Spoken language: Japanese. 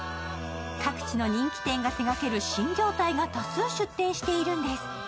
各地の人気店が手がける新業態が多数出店しているんです。